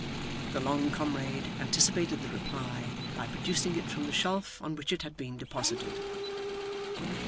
The long comrade anticipated the reply, by producing it from the shelf on which it had been deposited.